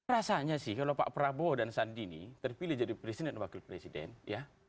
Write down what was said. rasanya sih kalau pak prabowo dan sandi ini terpilih jadi presiden dan wakil presiden ya